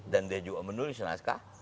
dan dia juga menulis naskah